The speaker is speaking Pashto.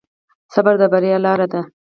صبر د بریا لاره ده.